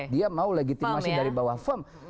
dia mau legitimasi dari bawah firm